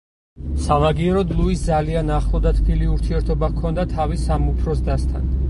სამაგიეროდ ლუის ძალიან ახლო და თბილი ურთიერთობა ჰქონდა თავის სამ უფროს დასთან.